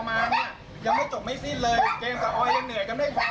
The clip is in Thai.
ยังไม่จบไม่สิ้นเลยเกมสะออยยังเหนือกันไม่พออีกเหรอ